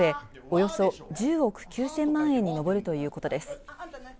およそ１０億９０００万円に上るということです。